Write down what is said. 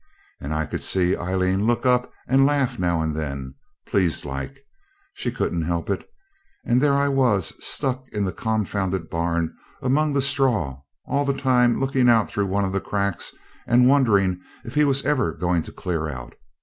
And I could see Aileen look up and laugh now and then, pleased like. She couldn't help it. And there was I stuck in the confounded barn among the straw all the time looking out through one of the cracks and wondering if he was ever going to clear out.